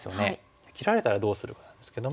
切られたらどうするかなんですけども。